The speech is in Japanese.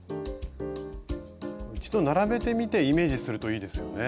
一度並べてみてイメージするといいですよね。